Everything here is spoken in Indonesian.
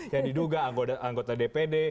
yang diduga anggota dpd